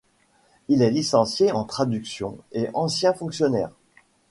Il est licencié en traduction et ancien fonctionnaire.